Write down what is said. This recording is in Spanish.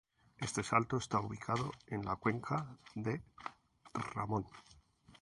Este salto está ubicado en la cuenca de Ramón.